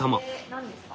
何ですか？